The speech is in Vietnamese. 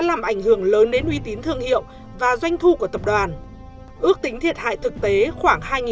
làm ảnh hưởng lớn đến uy tín thương hiệu và doanh thu của tập đoàn ước tính thiệt hại thực tế khoảng